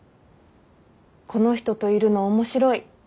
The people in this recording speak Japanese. この人といるの面白い。